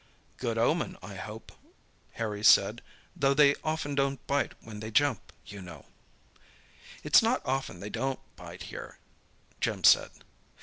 "Good omen, I hope," Harry said, "though they often don't bite when they jump, you know." "It's not often they don't bite here," Jim said.